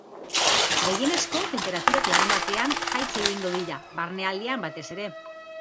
Gehienezko tenperaturak larunbatean jaitsi egingo dira, barnealdean batez ere.